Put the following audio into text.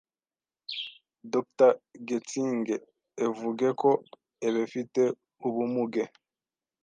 Dr Getsinge evuge ko ebefite ubumuge